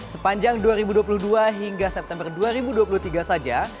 sepanjang dua ribu dua puluh dua hingga september dua ribu dua puluh tiga saja